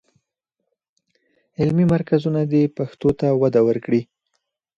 علمي مرکزونه دې پښتو ته وده ورکړي.